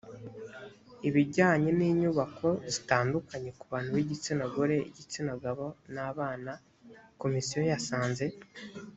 ibijyanye n inyubako zitandukanye ku bantu b igitsina gore igitsina gabo n abana komisiyo yasanze